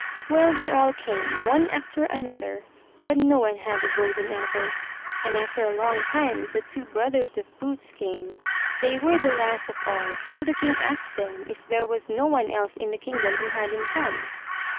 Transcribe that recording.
Well, they all came, one after another, but no one had the golden apple, and after a long time the two brothers of Boots came. They were the last of all, so the king asked them if there was no one else in the kingdom who hadn't come.